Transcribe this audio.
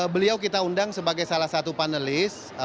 beliau kita undang sebagai salah satu panelis